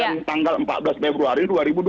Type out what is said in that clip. yang tanggal empat belas februari dua ribu dua puluh